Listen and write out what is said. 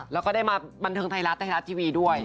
แล้วก็ได้มาบันเทิงไทยรัฐไทยรัฐทีวีด้วย